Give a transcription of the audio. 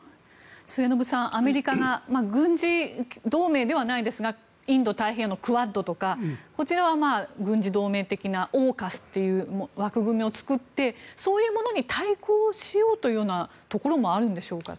末延さん、アメリカが軍事同盟ではないですがインド太平洋のクアッドとかこちらは軍事同盟的なＡＵＫＵＳという枠組みを作ってそういうものに対抗しようというところもあるんでしょうか。